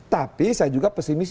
tapi saya juga pesimis